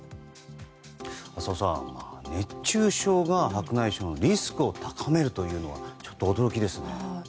浅尾さん、熱中症が白内障のリスクを高めるのはちょっと驚きですよね。